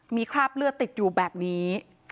มีคราบเลือดติดอยู่แบบนี้